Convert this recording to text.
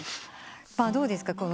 どうですか？